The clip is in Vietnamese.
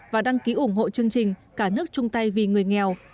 và đăng ký ủng hộ chương trình cả nước chung tay vì người nghèo